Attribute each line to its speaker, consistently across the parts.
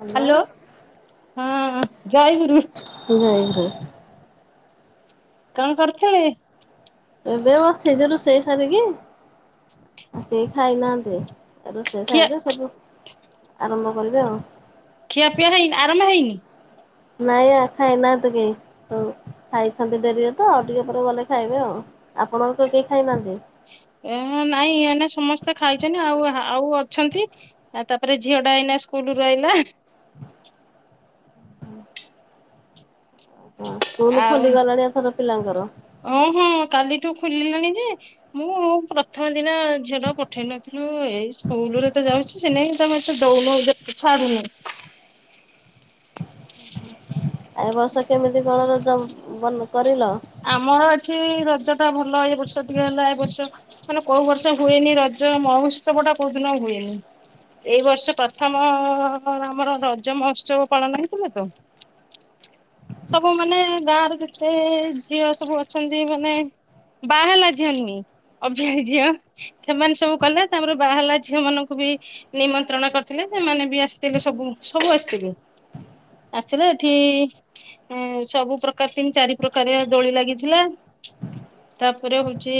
Speaker 1: Hello.
Speaker 2: ହୁଁ ଜୟ ଗୁରୁ।
Speaker 1: ହୁ଼ଁ ହୁ଼ଁ।
Speaker 2: କଣ କରୁଥିଲେ?
Speaker 1: ଏବେ ବସିଚି ରୋଷେଇ ସାରିକି କେହି ଖାଇନାହାନ୍ତି। ରୋଷେଇ
Speaker 2: ଖିଆ
Speaker 1: ସାରିଲି ସବୁ ଆର ହ୍ୟାଲୋ।
Speaker 2: ଖିଆପିଆ ହେଇନି ଆରାମ୍ଭ ହେଇନି?
Speaker 1: ନାଇଁ ଖାଇନାହାନ୍ତି କେହି ଖାଇଛନ୍ତି ଡେରିରେ ତ ଆଉ ଟିକେ ପରେ ଗଲେ ଖାଇବେ ଆଉ ଆପଣ କେହି ଖାଇନାହାନ୍ତି।
Speaker 2: ଏ ନାଇଁ ଏ ସମସ୍ତେ ଖାଇଛନ୍ତି ଆଉ ଆଉ ଅଛନ୍ତି ଆ ତାପରେ ଝିଅ ଟା ଏଇନା ସ୍କୁଲୁ ଆଇଲା।
Speaker 1: ହୁଁ ସ୍କୁଲ
Speaker 2: ଆଉ
Speaker 1: ଖୋଲିଗଲାଣି ଏଥର ପିଲାଙ୍କର।
Speaker 2: ଠୁ ଖୋଲିଲାଣି ଯେ ମୁଁ ପ୍ରଥମ ଦିନ ଝିଅ ଟା ପଠେଇ ନଥିଲୁ ଏଇ ସ୍କୁଲରେ ତ ଯାଉଛି ସ ନେଇକ ତମେସ୍ତ ଦଉନ ଛାଡୁନୁ।
Speaker 1: ଆର ବର୍ଷ କେମିତି କଣ ରଜ ବ କରିଲ।
Speaker 2: ଆମର ଏଠି ରଜ ଟା ଭଲ ଏ ବର୍ଷ ଟିକେ ହେଲା ଏ ବର୍ଷ ମାନେ କୋଉ ବର୍ଷ ହୁଏନି ରଜ ମହୋତ୍ସବ ଟା କୋଉ ଦିନ ହୁଏନି ଏଇ ବର୍ଷ ପ୍ରଥମ ଆମର ରଜ ମହୋତ୍ସବ ପାଳନ ହେଇଥିଲା ତ ସବୁ ମାନେ ଗାଁରେ ଯେତେ ଝିଅ ସବୁ ଅଛନ୍ତି ମାନେ ବାହାଲା ଝିଅ ନୁହେଁ ଅବାର ଝିଅ ସେମାନେ ସବୁ କଲେ ତାମର ବାହାଲା ଝିଅ ମାନଙ୍କୁ ବି ନିମନ୍ତ୍ରଣ କରିଥିଲେ ସେମାନେ ବି ଆସିଥିଲେ ସବୁ ସବୁ ଆସିଥିଲେ ଆସିଲ ଏଠି ସବୁ ପ୍ରକାର ତିନ ଚାରି ପ୍ରକାର ଦୋଳି ଲାଗିଥିଲା ତାପରେ ହଉଛି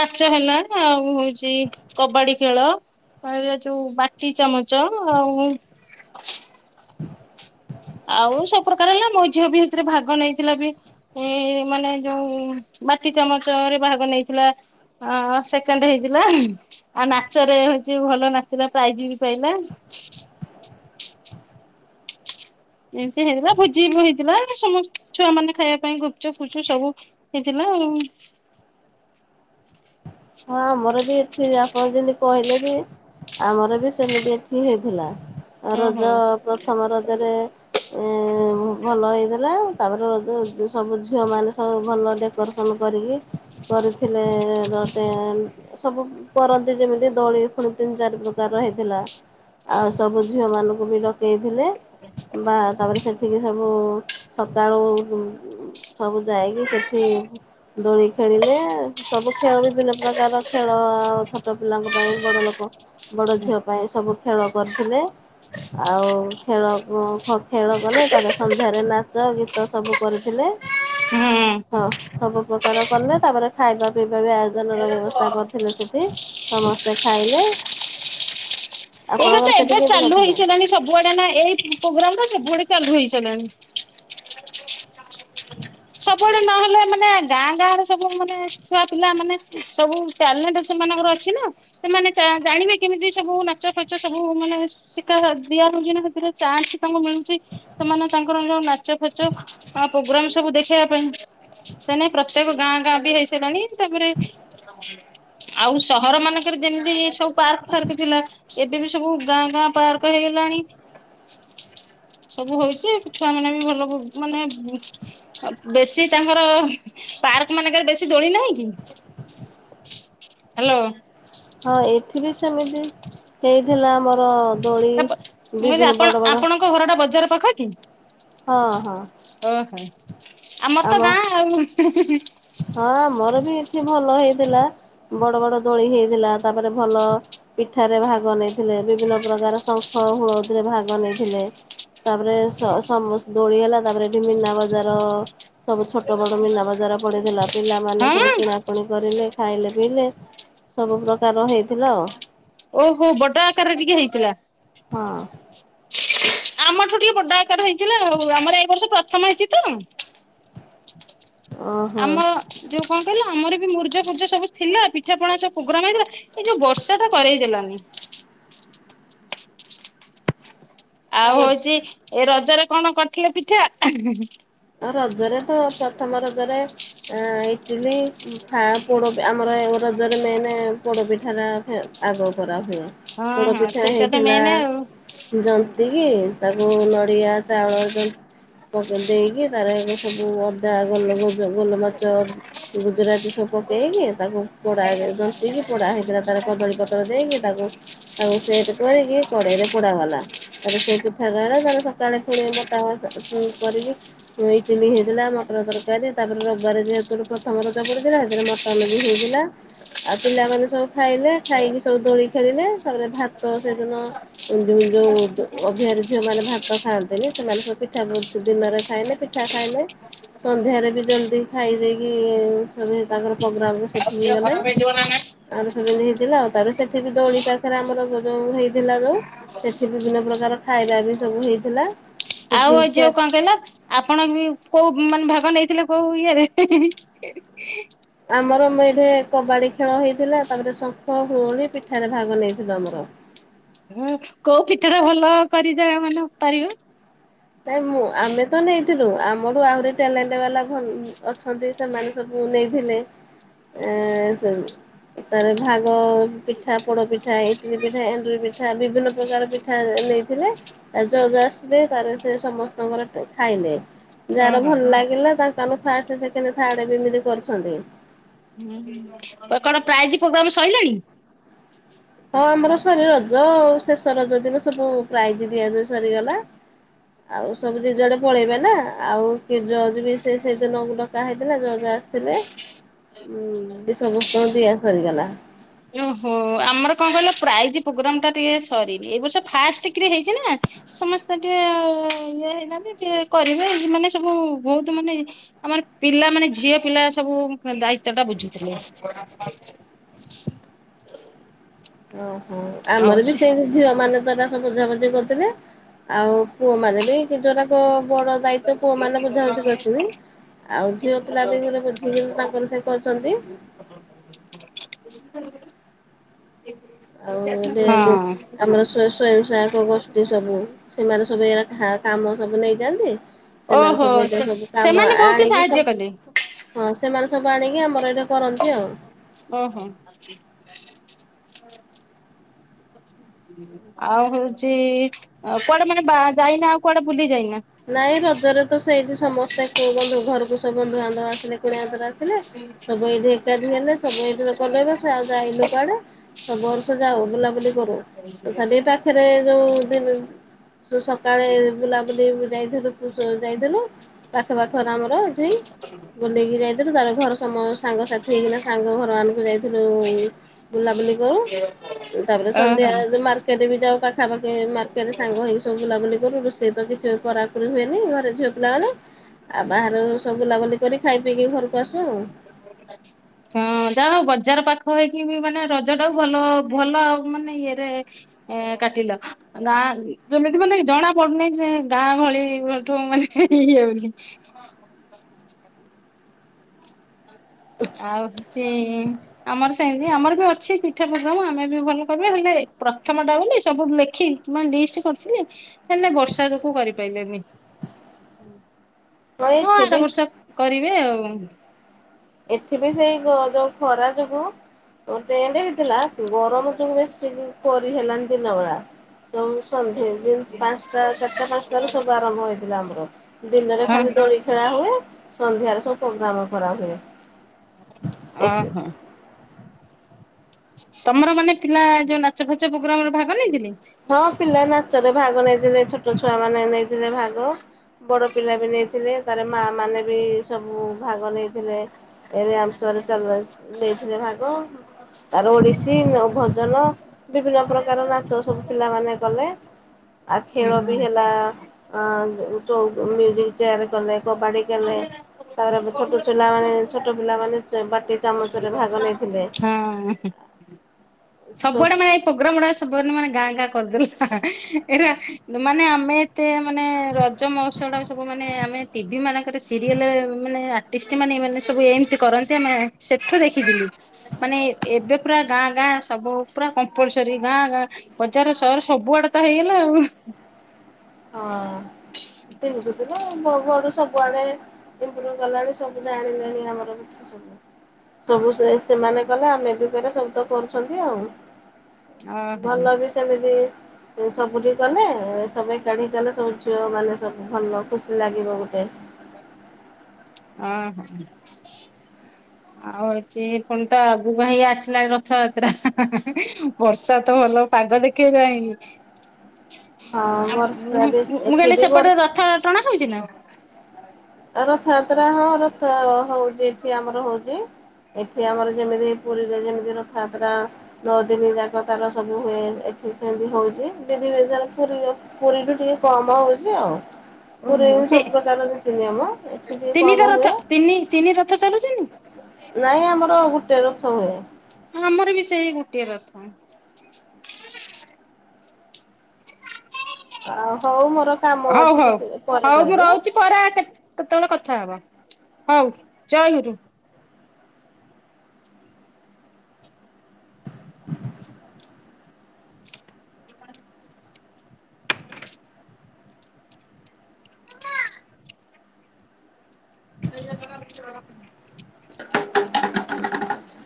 Speaker 2: ନାଚ ହେଲା ଆଉ ହଉଛି କବାଡି ଖେଳ ଯୋଉ ବାଟି ଚାମଚ ଆଉ ଆଉ ସବୁ ପ୍ରକାର ହେଲା ମୋ ଝିଅ ବି ସେଥିରେ ଭାଗ ନେଇଥିଲା ବି ମାନେ ଯୋଉ ବାଟି ଚାମଚରେ ଭାଗ ନେଇଥିଲା ସେକେଣ୍ଡ ହେଇଥିଲା ଆଉ ନାଚରେ ହଉଛି ଭଲ ନାଚିଲା ପ୍ରାଇଜ ବି ପାଇଲା। ଏମତି ହେଇଥିଲା ଭୋଜି ବି ହେଇଥିଲା ସମସ୍ତ ଛୁଆ ମାନେ ଖାଇବା ପାଇଁ ଗୁପଚୁପ୍ ଫୁପଚୁପ୍ ସବୁ ହେଇଥିଲା ଆଉ।
Speaker 1: ହଁ ଆମର ବି ଏଠି ଆପଣ ଯେମିତି କହିଲେ ବି ଆମର ବି ସେମିତି ଏଠି ହେଇଥିଲା।
Speaker 2: ଓହୋ।
Speaker 1: ରଜ ପ୍ରଥମ ରଜରେ ଉଁ ଉଁ ଭଲ ହେଇଥିଲା ତାପରେ ରଜ ସବୁ ଝିଅମାନେ ସବୁ ଭଲ ଡେକୋରେସନ କରିକି କରିଥିଲେ ଏଁ ଏଁ। ପରନ୍ତି ଯେମିତି ଦୋଳି ପୁଣି ତିନି ଚାରି ପ୍ରକାର ର ହେଇଥିଲା ଆଉ ସବୁ ଝିଅ ମାନଙ୍କୁ ବି ଡକା ପକେଇଥିଲେ ବା ତାପରେ ସେଠିକି ସବୁ ସକାଳୁ ସବୁ ଯାଇକି ସେଠି ଦୋଳି ଖେଳିଲେ ସବୁ ଖେଳ ବିଭିନ୍ନ ପ୍ରକାର ତ ପିଲାଙ୍କ ପାଇଁ ବଡ଼ ଲୋକ ବଡ଼ ଝିଅ ପାଇଁ ସବୁ ଖେଳ କରିଥିଲେ ଆଉ ଖେଳ ଖେଳ କଲେ ତାର ସନ୍ଧ୍ୟାରେ ନାଚ ଗୀତ ସବୁ କରିଥିଲେ।
Speaker 2: ହୁଁ।
Speaker 1: ସବୁ ପ୍ରକାର କଲେ ତାପରେ ଖାଇବା ପିଇବା ବି ଆୟୋଜନ ର ବ୍ୟବ କରିଥିଲେ ସେଠି ସମସ୍ତେ ଖାଇଲେ
Speaker 2: ଏଇଟା ତ
Speaker 1: ଆପଣଙ୍କର ସେଠି
Speaker 2: ଏବେ
Speaker 1: କେମିତି
Speaker 2: ଚାଲୁ
Speaker 1: କରିଥିଲେ
Speaker 2: ହେଇସିଲଣି ସବୁଆଡେ ନା ଏଇ ପ୍ରୋଗ୍ରାମ ଟା ସବୁଆଡେ ଚାଲ ହଇ ଚଲଣି। ସଡେ ନହେଲେ ମାନେ ଗାଁ ଗାଁରେ ସବୁ ମାନେ ଛୁଆ ପିଲା ମାନେ ସବୁ ଟ୍ୟାଲେଣ୍ଟ ସେମାନଙ୍କର ଅଛି ନା ସେମାନେ ଜାଣିବେ କେମିତି ସବୁ ନାଚ ଫାଚ ସବୁ ମାନେ ଶିଖା ଦିଆ ହଉଛି ନା ସେଥିରେ ଚାନ୍ସ ତାଙ୍କୁ ମିଳୁଛି ସେମାନେ ତାଙ୍କର ଯୋଉ ନାଚ ଫାଚ ପ୍ରୋଗ୍ରାମ ସବୁ ଦେଖ ଦେଖ ପାଇଁ ସେନ ପ୍ରତ୍ୟେକ ଗାଁ ଗାଁ ବି ହେଇ ସାରିଲାଣି ତାପରେ ଆଉ ସହର ମାନଙ୍କରେ ଯେମିତି ସବୁ ପାର୍କ ଫାର୍କ ଥିଲା ଏବେ ବି ସବୁ ଗାଁ ଗାଁ ପାର୍କ ହେଇଗଲାଣି ସବୁ ହଉଛି ଛୁଆ ମାନେ ବି ଭଲ ମାନେ ବେଶୀ ତାଙ୍କର ପାର୍କ ମାନଙ୍କରେ ବେଶୀ ଦୋଳି ନାହିଁ କି ହ୍ୟାଲୋ।
Speaker 1: ହଁ ଏଠି ବି ସେମିତି ହେଇଥିଲା ଆମର ଦୋଳି
Speaker 2: ମୁଁ କଛି
Speaker 1: ବିଭିନ୍ନ ବଡ଼
Speaker 2: ଆପଣ
Speaker 1: ବଡ଼
Speaker 2: ଆପଣଙ୍କ ଘର ଟା ବଜାର ତଖତି
Speaker 1: ହଁ ହଁ।
Speaker 2: ଆ ମର ତ
Speaker 1: ଆମ
Speaker 2: ଗାଁ ଆଉ।
Speaker 1: ହଁ। ଆମର ବି ଏଠି ଭଲ ହେଇଥିଲା ବଡ ବଡ ଦୋଳି ହେଇଥିଲା ତାପରେ ଭଲ ପିଠାରେ ଭାଗ ନେଇଥିଲେ ବିଭିନ୍ନ ପ୍ରକାର ଶଙ୍ଖ ହୁଳଦୀରେ ଭାଗ ନେଇଥିଲେ ତାପରେ ସମ ଦୋଳି ହେଲା ତାପରେ ଏଠି ମନା ବଜାର ସବୁ ଛଟ ବଡ଼ ମେନା ବଜାର ପଢ ଦେଥିଲା। ପିଲାମାନେ ସବୁ
Speaker 2: ହଁ
Speaker 1: କିଣାକିଣି କରିଲେ। ଖାଇଲେ ପିଇଲେ ସବୁ ପ୍ରକାର ହେଇଥିଲା ଆଉ।
Speaker 2: ଓହୋ ବଟ ଆକାରରେ ଟିକେ ହେଇଥିଲା।
Speaker 1: ହଁ।
Speaker 2: ଆମଠୁ ଟିକେ ବଡ ଆକାର ହେଇଥିଲା ହଉ ଆମର ଏଇ ବର୍ଷ ପ୍ରଥମ ହେଇଛି ତ।
Speaker 1: ଓହୋ।
Speaker 2: ଆମର ଅ ଯୋଉ କଣ କହିଲା ଆମର ବି ମର୍ ପୂଜା ପୂଜା ସବୁ ଥିଲା ପିଠା ପଣା ସବୁ ପ୍ରୋଗ୍ରାମ ହେଇଥିଲା ଏଇ ଯୋଉ ବର୍ଷା ଟା କରେଇ ଦେଲାନି। ଆଉ
Speaker 1: ହଁ ଏ
Speaker 2: ହଉଛି ଏ ରଜରେ କଣ କରିଥିଲ ପିଠା ଅହୁଁ ହୁଁ।
Speaker 1: ଏ ରଜରେ ତ ପ୍ରଥମ ରଜରେ ଏ ଇଟିଲି ଫା ପୋଡ ଆମର ରଜରେ ମେନେ ପୋଡପିଠାରେ ର ଆଗ କରା ହୁ
Speaker 2: ହଁ
Speaker 1: ପୋଡ
Speaker 2: ହଁ
Speaker 1: ପିଠା
Speaker 2: ସେଇଟା ତ
Speaker 1: ହେଇଥିଲା
Speaker 2: ମେନ୍ ଆଉ
Speaker 1: ଜନ୍ତ ତିକି ତାକୁ ନଡ଼ିଆ ଚାଉଳ ଯେ ପକେଇ ଦେଇକି ତାର ସବୁ ଅଦା ଗୋଲମରିଚ ଗୋଲମରିଚ ଗୁଜୁରାତି ସବୁ ପକେଇକି ତାକୁ ପୋଡ଼ା ଜନ୍ତକି ପୋଡ଼ା ହେଇଥିଲା ତାର କଦଳୀପତ୍ର ଦେଇକି ତାକୁ ତାକୁ ସେଟ୍ କରିକି କଡ଼େଇରେ ପୋଡ଼ାଗଲା ତାରେ ସେ ପିଠା କହିଲ ତାର ସକାଳେ ପୁଣି କଟା କରିକି ଇଟିଲି ହେଇଥିଲା ମଟନ ତରକାରୀ ତାପରେ ରବିବାର ଯେହେତୁ ପ୍ରଥମ ରଜ ପଡିଥିଲା ସେଥିରେ ମଟନ ବି ହେଇଥିଲା ଆଉ ପିଲାମାନେ ସବୁ ଖାଇଲେ ଖାଇକି ସବୁ ଦୋଳି ଖେଳିଲେ ତାପରେ ଭାତ ସେଦିନ ଯୋଉ ଅଭିଆରି ଝିଅମାନେ ଭାତ ଖାଆନ୍ତି ନା ସେମାନେ ସବୁ ପିଠା ସବୁ ଦିନରେ ଖାଇଲେ ପିଠା ଖାଇଲେ ସନ୍ଧ୍ୟାରେ ବି ଜଲଦି ଖାଇ ଦେଇେକି ତାଙ୍କର ପ୍ରୋଗ୍ରାମ ସେଟ୍
Speaker 2: ଟ ଖରାପ ହେଇଯିବ ନା।
Speaker 1: ଦୋଳି ହେଇଥିଲା ଆଉ ତାପରେ ସେଠି ବି ଦୋଳି ପାଖରେ ଆମର ଯୋଉ ହେଇଥିଲା ଯୋଉ ସେଠି ବିଭିନ୍ନ ପ୍ରକାର ଖାଇବା ବି ସବୁ ହେଇଥିଲା।
Speaker 2: ଆଉ
Speaker 1: ସେଠି
Speaker 2: ଆଜି ଆଉ କଣ କହିଲ? ଆପଣ ବି କୋଉ ମାନେ ଭାଗ ନେଇଥିଲେ କୋଉ ଇଏରେ ହିଁ ହିଁ।
Speaker 1: ଆମର ମେନେ କବାଡି ଖେଳ ହେଇଥିଲା ତାପରେ ଶଙ୍ଖ ହୁଳ ହୁଳି ପିଠାରେ ଭାଗ ନେଇଥିଲୁ ଆମର।
Speaker 2: କୋଉ ପିଠା ଟା ଭଲ କରିଦେ ମାନେ ପାରିବ?
Speaker 1: ତ ମୁ ଆମେ ତ ନେଇଥିଲୁ ଆମଠୁ ଆହୁରି ଟ୍ୟାଲେଣ୍ଟ ବାଲା ଅଛନ୍ତି ସେମାନେ ସବୁ ନେଇଥିଲେ ଏ ସବୁ ଏ ତାର ଭାଗ ପିଠା ପୋଡ ପିଠା ଇଟିଲି ପିଠା ଏଣ୍ଡୁରି ପିଠା ବିଭିନ୍ନ ପ୍ରକାର ପିଠା ନେ ନେଇଥିଲେ ରଜ ଆସିଲଥିଲେ ତା ପରେ ସେ ସମସ୍ତଙ୍କର ଟେ ଖାଇଲେ ଯାହାର
Speaker 2: ଓହୋ।
Speaker 1: ଭଲ ଲାଗିଲା ତାଙ୍କର ଫାଷ୍ଟ ସେକେଣ୍ଡ ଥାର୍ଡ ଏମିତି କରଛନ୍ତି।
Speaker 2: କଣ ପ୍ରାଇଜ ପ୍ରୋଗ୍ରାମ ସରିଲାଣି?
Speaker 1: ହଁ ଆମର ସରି ରଜ ଶେଷ ରଜ ଦିନ ସବୁ ପ୍ରାଇଜ ଦିଆ ଦି ସରିଗଲା ଆଉ ସବୁ ଯିଏ ଯୁଆଡ଼େ ପଳେଇବେ ନା ଆଉ କି ଜଜ ବି ସେ ସେଇଦିନ ଡକା ହେଇଥିଲା ଜଜ ଆସିଥିଲେ ଉ ସମସ୍ତଙ୍କୁ ଦିଆ ସରିଗଲା।
Speaker 2: ପ୍ରଜ ପ୍ରୋଗ୍ରାମ ଟା ଟିକେ ସରିନି ଏ ବର୍ଷ ଫାଷ୍ଟ କିରି ହେଇଛି ନା ସମସ୍ତେ ଟିକେ ଇଏ ହେଇଛନ୍ତି କରିବେ ମାନେ ସବୁ ବହୁତ ମାନେ ଆମର ପିଲା ମାନେ ଝିଅ ପିଲା ସବୁ ଦାୟିତ୍ଵଟା ବୁଝୁଥିଲେ।
Speaker 1: ଓ। ହ
Speaker 2: ଆଉ
Speaker 1: ଆମର ବି
Speaker 2: ସେ
Speaker 1: ସେଇ ଝିଅ ମାନେ ତ ଏରା ବୋଝାବୁଝି କରିଥିଲେ ଆଉ ପୁଅ ମାନେ ବି [unintelligible] ଦାୟିତ୍ଵ ପୁଅମାନେ ବୁଝାବୁଝି କରିଛନ୍ତି। ଆଉ ଝିଅ ପିଲା ବି ଗୋଟେ ବୁଝିକି ତାଙ୍କର ସେ କରୁଛନ୍ତି
Speaker 2: [unintelligible]
Speaker 1: ଆଉ ଏ
Speaker 2: ହଁ।
Speaker 1: ଆମର ସ୍ଵୟମ୍ ସ୍ଵୟା ସହାୟକ ଗୋଷ୍ଠୀ ସବୁ ସେମାନେ [unintelligible] କାମ ନେଇଛନ୍ତି ସେମାନେ
Speaker 2: ଓହୋ
Speaker 1: ସବୁ
Speaker 2: ସେ
Speaker 1: ସବୁ କାମ
Speaker 2: ସେମାନେ ବହୁତ
Speaker 1: ଆଣିକି
Speaker 2: ସାହାଯ୍ୟ କଲେ
Speaker 1: ସେମାନେ ସବୁ ଆଣିକି ଆମର ଏଇଟା କରନ୍ତି ଆଉ।
Speaker 2: ଓହୋ। ଆଉ ହଉଛି କୁଆଡେ ମାନେ ବା ଯାଇନି ଆଉ କୁଆଡେ ବୁଲି ଯାଇନ?
Speaker 1: ନାଇଁ ରଜରେ ତ ସେଇଠି ସମସ୍ତେ କୋଉ ବନ୍ଧୁ ଘରକୁ ସବୁ ବନ୍ଧୁବାନ୍ଧବ ଆସିଲେ କୁଣିଆ ମନ୍ତର ଆସିଲେ ସବୁ ଏଇଠି ଏକାଠି ହେଲେ ସବୁ ଏମିତି କଲେ ଇବ ସେ ଆଉ ଯାଇନୁ କୁଆଡେ। ସବୁ ବର୍ଷ ଯାଉ ବୁଲାବୁଲି କରୁ ତଥାପି ପାଖରେ ଯୋଉ ଦିନ ସକାଳେ ବୁଲାବୁଲି ଥିଲ ଯାଇଥିଲୁ ପାଖ ପାଖରେ ଆମର ଏଠି ବୁଲେଇକି ଯାଇଥିଲୁ ତା ଘର ସମୟ ସାଙ୍ଗ ସାଥି ହେଇକିନା ସାଙ୍ଗ ଘର ମାନଙ୍କୁ ଯାଇଥିଲୁ ବୁଲାବୁଲି କରୁ ତାପରେ
Speaker 2: ଓହୋ।
Speaker 1: ସନ୍ଧ୍ୟା ମାର୍କେଟରେ ବି ଯାଉ ଖଖା ପାଖେ ମାର୍କେଟ ରେ ସାଙ୍ଗ ହେଇି ସବୁଲାବୁଲି କରୁ। ସେଇ ତ କିଛି କରାକୁରି ହୁଏନି ଘରେ ଝିଅ ପିଲା ମାନେ ଆଉ ବାହାରୁ ସବ ବୁଲାବୁଲି କରି ଖାଇ ପିଇକି ଘର
Speaker 2: ହଁ ଯାହା ହଉ ବଜାର ପାଖ ହେଇକି ବି ମାନେ ରଜ ଟାକୁ ଭଲ ଭଲ ମାନେ ଇଏରେ କାଟିଲ ଗାଁ ଯେମିତି ମାନେ ଜଣା ପଡୁନି ଯେ ଗାଁ ଭଳିଠୁ ମାନେ ଇଏଉନି ଆଉଛି ଆମର ଆମର ବି ଅଛି ପିଠା ପ୍ରଦାମ ଆମେ ବି ଭଲ କର ହେଲେ ପ୍ରଥମ ଟା ହଉନି ସବୁ ଲେଖି ଲିଷ୍ଟ କରିଥିଲି ହେଲେ ବର୍ଷା ଯକୁ କରିପାରିଲେଣି। ହଁ
Speaker 1: ଏଠି
Speaker 2: ଆର
Speaker 1: ବି
Speaker 2: ବର୍ଷ କରିବେ ଆଉ। [inaudible]
Speaker 1: ଏଠି ବି ସେଇ ଯୋଉ ଖରା ଯୋଗୁ ଟେଣ୍ଡ ହେଇଥିଲା ଗରମ ଯୋଗୁ ବେଶୀ କରି ହେଲାନ ଦିନ ବଳା। ସବୁ ସନ୍ଧ୍ୟା ପାଞ୍ଚଟା ଚାରିଟା ପାଞ୍ଚଟାାରୁ ସବୁ ଆରମ୍ଭ ହେଇଥିଲା ଆମର ଦିନରେ ଖାଲି
Speaker 2: ହଁ।
Speaker 1: ଦୋଳି ଖେଳା ହୁଏ ସନ୍ଧ୍ୟାରେ। ପ୍ରୋଗ୍ରାମ କରାହୁଏ।
Speaker 2: ହ
Speaker 1: ଏଠି।
Speaker 2: ହୋ। ତମର ମାନେ ପିଲା ଯୋଉ ନାଚ ଫାଚ ପ୍ରୋଗ୍ରାମରେ ଭାଗ ନେଇଥିଲି।
Speaker 1: ହଁ ପିଲା ନାଚରେ ଭାଗ ନେଇଥିଲେ ଛୋଟ ଛୁଆ ମାନେ ନେଇଥିଲେ ଭାଗ ବଡ ପିଲା ବି ନେଇଥିଲେ ତାର ମା ମାନେ ବି ସବୁ ଭାଗ ନେଇଥିଲେ ଏ ରାମସର ନେଇଥିଲେ ଭାଗ ତାର ଓଡିଶୀ ଭଜନ ବିଭିନ୍ନ ପ୍ରକାର ନାଚ ସବୁ ପିଲା ମାନେ କଲେ ଆ
Speaker 2: ହୁଁ
Speaker 1: ଖେଳ ବି ହେଲା ଅ ମୁଜିକ ଚୟାର କଲେ
Speaker 2: [inaudible]
Speaker 1: କବାଡ଼ି କଲେ।
Speaker 2: ହଁ
Speaker 1: ତାପରେ ଛୋଟ ପିଲାମାନେ ଛୋଟ ପିଲାମାନେ ବାଟି ଚାମଚରେ ଭାଗ ନେଇଥିଲେ।
Speaker 2: ସବୁଆଡ଼େ ମାନେ ଏଇ ପ୍ରୋଗ୍ରାମ ସବୁଆଡ଼େ ମାନେ ଗାଁ କରିଦେଲା ଏଟା ମାନେ ଆମେ ଏତେ ମାନେ ରଜ ମହସ ଟା ସବୁ ମାନେ ଆମେ ଟିଭି ମାନ ଏମାନେ ସବୁ ଏମିତି କରନ୍ତି ଆମେ ସେଠୁ ଦେଖିଥିଲୁ ମାନେ ଏବେ ପୁରା ଗାଁ ଗାଁ ସବୁ ପୁରା କମ୍ପଲସରୀ ଗାଁ ଗାଁ ବଜାର ସହର ସବୁଆଡେ ତ ହେଇଗଲା ଆଉ।
Speaker 1: ହଁ ପିଦ୍ଧୁଥିଲା ସ ସବୁଆଡେ ଇ୍ରଭ କଲାଣି ସବୁ ଜଣିଲେଣି ଆମର ସବୁ ସବୁ ସେମାନେ କଲେ ଆମେ ବି ସବୁ ତ କରୁଛନ୍ତି ଆଉ
Speaker 2: ଓହୋ
Speaker 1: ଭଲ ବି ସେମିତି ସବୁ ଟିକେ ଗଲେ ସ ଜାଣି ଗଲେ ସବୁ ଝିଅ ମାନେ ସବୁ ଭଲ ଖୁସି ଲାଗିବ ଗୋଟେ।
Speaker 2: ଓହୋ ଆଉ ହଉଛି ପୁଣି ତ ଆଗକୁ ହେଇ ଆସିଲା ରଥଯାତ୍ରା ବର୍ଷା ତ ଭଲ ପାଗ ଦେଖେଇଲାଣି।
Speaker 1: ହଁ
Speaker 2: ଆଉ
Speaker 1: ବର୍ଷା ବି
Speaker 2: ମୁଁ
Speaker 1: ଏଠି
Speaker 2: କହିଲି
Speaker 1: ବି
Speaker 2: ସେପଟେ
Speaker 1: ବର୍ଷା
Speaker 2: ରଥ ଟଣା ହଉଚି ନା?
Speaker 1: [unintelligible] ରଥ ଯାତ୍ରା ହଁ ରଥ ହଉଚି ଏ ଏଠି ଆମର ହଉଛି ଏଠି ଆମର ଯେମିତି ପୁରୀରେ ଯେମିତି ରଥଯାତ୍ରା ନଅ ଦିନି ଯାକ ତାଲ ସବୁ ହୁଏ ଏଠି ସେମିତି ହଉଚି ପୁରୀ ପୁରୀଠୁ ଟିକେ କମ ହଉଛି ଆଉ ପୁରୀ
Speaker 2: ଓହୋ
Speaker 1: ସବୁ ପ୍ରକାର ନିତି ନିୟମ ଏଠି ଟିକେ
Speaker 2: ତିନିଟା
Speaker 1: କମ
Speaker 2: ରଥ
Speaker 1: ହୁଏ
Speaker 2: ତିନି ତିନି ରଥ ଚାଲୁଛନ୍ତି?
Speaker 1: ନାଇଁ ଆମର ଗୋଟେ ରଥ ହୁଏ।
Speaker 2: ଆମର ବି ସେଇ ଗୋଟିଏ ରଥହି
Speaker 1: ଆଉ ହଉ ମୋର କାମ
Speaker 2: ହଉ
Speaker 1: ଅଛି
Speaker 2: ହଉ
Speaker 1: କିଛି ପରେ
Speaker 2: ହଉ ବି
Speaker 1: କରିବି।
Speaker 2: ରହୁଛି ପରେ କେତେବେଳେ କଥା ହବ। ହଉ ଜୟ ଗୁରୁ। [unintelligible]
Speaker 1: [inaudible]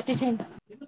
Speaker 2: କାଟିସା